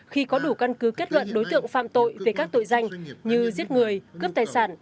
khi có đủ căn cứ kết luận đối tượng phạm tội về các tội danh như giết người cướp tài sản